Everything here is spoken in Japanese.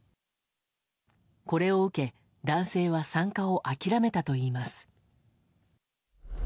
これを受け男性は参加を諦めたといいます。